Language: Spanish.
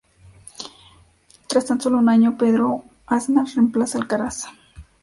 Tras tan sólo un año, Pedro Aznar reemplaza a Alcaraz.